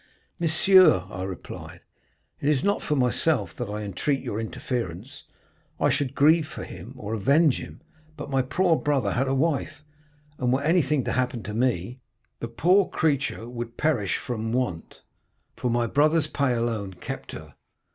"'Monsieur,' I replied, 'it is not for myself that I entreat your interference—I should grieve for him or avenge him, but my poor brother had a wife, and were anything to happen to me, the poor creature would perish from want, for my brother's pay alone kept her.